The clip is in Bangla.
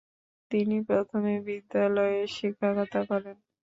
তিনি প্রথমে বিদ্যালয়ে শিক্ষকতা করেন।